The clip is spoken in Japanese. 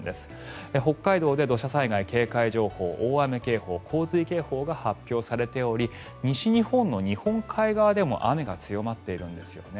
北海道で土砂災害警戒情報大雨警報、洪水警報が発表されており西日本の日本海側でも雨が強まっているんですね。